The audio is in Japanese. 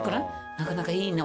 なかなかいいね。